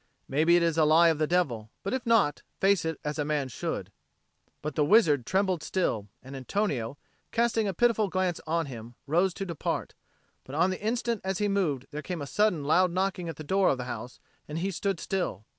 Maybe it is a lie of the devil; but if not, face it as a man should." But the wizard trembled still; and Antonio, casting a pitiful glance on him, rose to depart. But on the instant as he moved, there came a sudden loud knocking at the door of the house, and he stood still.